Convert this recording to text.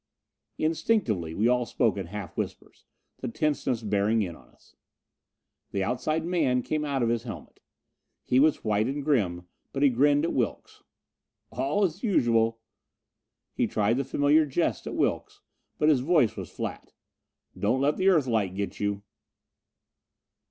Instinctively we all spoke in half whispers, the tenseness bearing in on us. The outside man came out of his helmet. He was white and grim, but he grinned at Wilks. "All is usual." He tried the familiar jest at Wilks, but his voice was flat: "Don't let the Earthlight get you!"